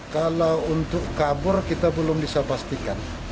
kalau untuk kabur kita belum bisa pastikan